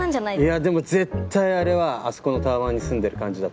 いやでも絶対あれはあそこのタワマンに住んでる感じだった。